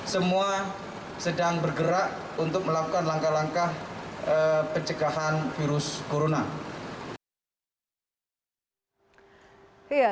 semua sedang bergerak untuk melakukan langkah langkah pencegahan virus corona